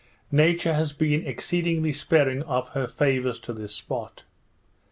Nature has been exceedingly sparing of her favours to this spot.